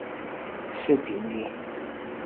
瑟米利。